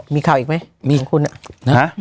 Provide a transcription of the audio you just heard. มีข่าวอีกไหมของคุณอะ